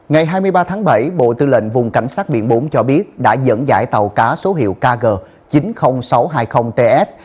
ngày hai mươi ba tháng bảy bộ tư lệnh vùng cảnh sát biển bốn cho biết đã dẫn dãi tàu cá số hiệu kg chín mươi nghìn sáu trăm hai mươi ts